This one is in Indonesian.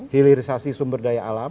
hilirisasi sumber daya alam